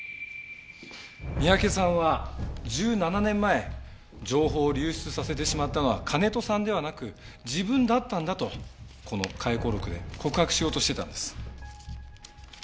三宅さんは１７年前情報を流出させてしまったのは金戸さんではなく自分だったんだとこの回顧録で告白しようとしてたんです。